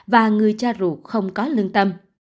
và người cha ruột không có lương tâm